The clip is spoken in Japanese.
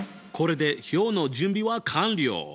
これで表の準備は完了！